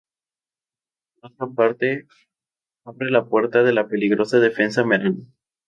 Por otra parte, abre la puerta de la peligrosa defensa Merano.